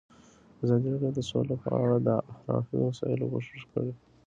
ازادي راډیو د سوله په اړه د هر اړخیزو مسایلو پوښښ کړی.